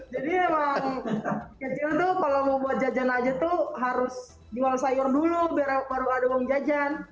jadi memang kecil tuh kalau mau buat jajan aja tuh harus jual sayur dulu biar baru ada uang jajan